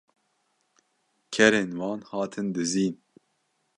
kerên wan hatin dizîn